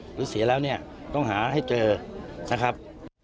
หรือเสียแล้วเนี่ยต้องหาให้เจอนะครับ